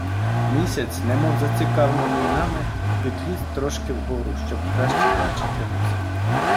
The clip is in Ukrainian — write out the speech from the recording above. Місяць, немов зацікавлений нами, підліз трошки вгору, щоб краще бачити нас.